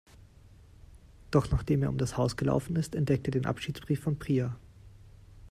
Doch nachdem er um das Haus gelaufen ist, entdeckt er den Abschiedsbrief von Priya.